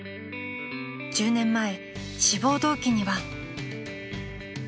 ［１０年前志望動機には］